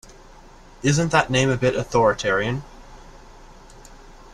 Isn’t that name a bit authoritarian?